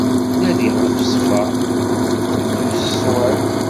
Nadi ɣef ṣṣfa, ddu s ṣṣwab.